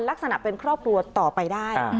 ลักษณะเป็นครอบครัวต่อไปได้